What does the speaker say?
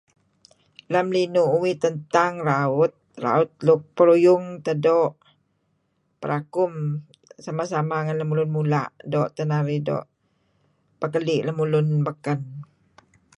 Lem linuh uih tentang raut, raut nuk peruyung teh doo'. perakum, sama-sama ngen lemulun mula' doo' teh narih pekeli' lemulun beken.